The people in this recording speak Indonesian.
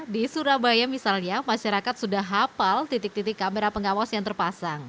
di surabaya misalnya masyarakat sudah hafal titik titik kamera pengawas yang terpasang